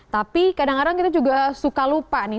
tapi kadang kadang kita juga suka lupa nih